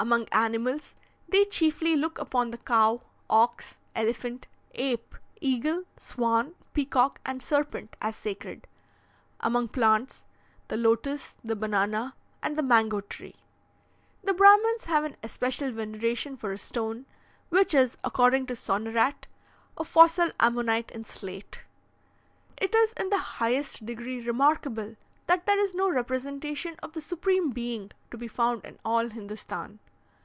"Among animals, they chiefly look upon the cow, ox, elephant, ape, eagle, swan, peacock, and serpent, as sacred; among plants, the lotus, the banana, and the mango tree. "The Brahmins have an especial veneration for a stone, which is, according to Sonnerat, a fossil ammonite in slate. "It is in the highest degree remarkable that there is no representation of the Supreme Being to be found in all Hindostan.